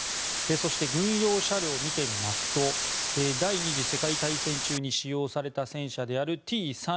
そして、軍用車両を見てみますと第２次世界大戦中に使用された戦車であるＴ３４